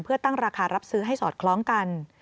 เพื่อตั้งราคารับซื้อให้สอดคล้องกัน